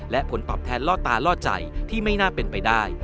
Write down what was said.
และผลตอบแทนล่อตาล่อใจที่ไม่น่าเป็นไปได้